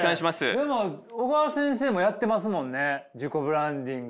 でも小川先生もやってますもんね自己ブランディング。